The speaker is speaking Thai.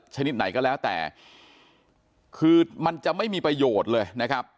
ชนิดไหนก็แล้วแต่คือมันจะไม่มีประโยชน์เลยนะครับ